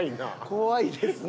怖いですね